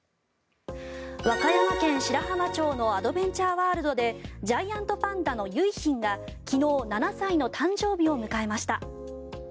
和歌山県白浜町のアドベンチャーワールドでジャイアントパンダの結浜が昨日７歳の誕生日を迎えました。